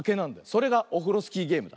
それがオフロスキーゲームだ。